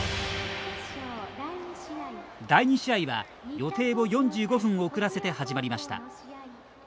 第２試合は、予定を４５分遅らせて始まりました。